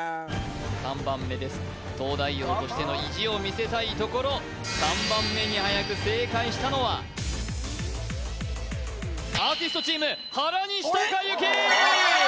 ３番目です東大王としての意地を見せたいところ３番目にはやく正解したのはアーティストチーム原西孝幸俺！？